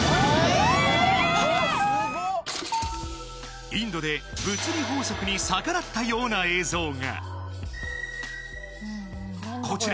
えっすごいインドで物理法則に逆らったような映像がこちら